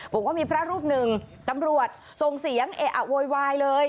บอกว่ามีพระรูปหนึ่งตำรวจส่งเสียงเอะอะโวยวายเลย